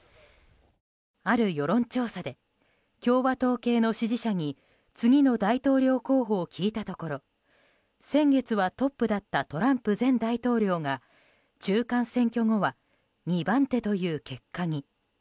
ある世論調査で共和党系の支持者に次の大統領候補を聞いたところ先月はトップだったトランプ前大統領が中間選挙後は２番手という結果に。